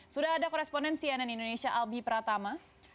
sudah ada koresponen cnn indonesia albi pratama